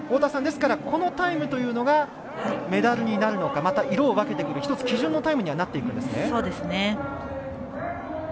このタイムというのがメダルになるのかまた、色を分けてくる１つ基準のタイムにはなってくるわけですね。